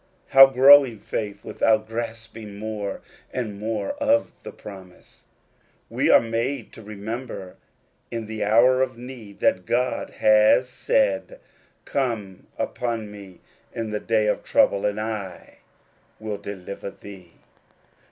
How growing faith without grasping more and more of the promise ? We are made to remember in the hour of need, that God has said, " Call upon me ift the day of trouble, and I will deliver thee."